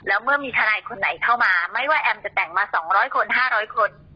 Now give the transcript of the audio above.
แล้วเมื่อมีทนายคนไหนเข้ามาไม่ว่าแอมจะแต่งมา๒๐๐คน๕๐๐คน